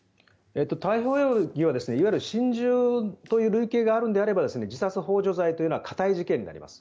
逮捕容疑はいわゆる心中という類型があるのであれば自殺ほう助罪というのはかたい事件になります。